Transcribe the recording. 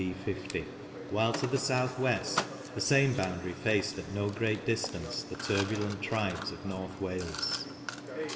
D. 50), while to the south west the same boundary faced at no great distance the turbulent tribes of North Wales.